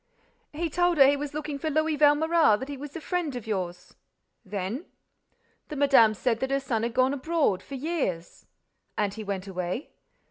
"He told her that he was looking for Louis Valméras, that he was a friend of yours." "Then?" "The madame said that her son had gone abroad—for years." "And he went away?"